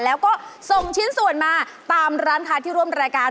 แล้วก็ส่งชิ้นส่วนมาตามร้านค้าที่ร่วมรายการ